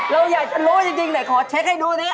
เราอยากรู้จริงเลยขอเช็กให้ดูนี้